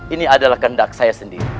ini adalah kendak saya sendiri